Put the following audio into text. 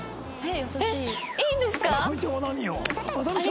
えっいいんですか？